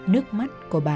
nước mắt của bà